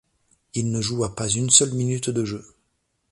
Il ne joua pas une seule minute de jeu.